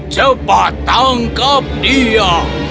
cepat tangkap dia